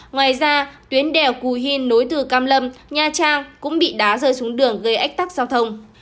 ngoài ra tuyến đèo cù hìn nối từ cam lâm nha trang cũng bị đá rơi xuống đường gây ách tắc giao thông